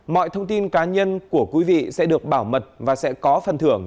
mọi thông tin cá nhân của quý vị sẽ được bảo mật và sẽ có phần thưởng